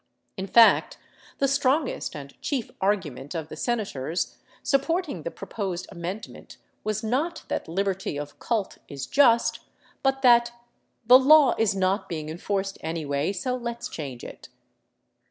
In fact the strongest and chief argument of the sena tors supporting the proposed amendment was not that liberty of cult is just, but that " the law is not being enforced anyway, so let 's change it."